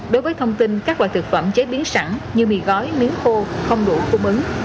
đối với thông tin các loại thực phẩm chế biến sẵn như mì gói miếng khô không đủ cung ứng